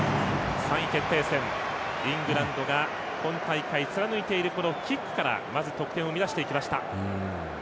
３位決定戦、イングランドが今大会、貫いているキックからまず得点を生み出していきました。